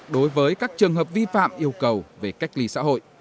đối với các trường hợp vi phạm yêu cầu về cách ly xã hội